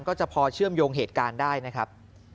ก็จะพอเชื่อมโยงเหตุการณ์ได้นะครับ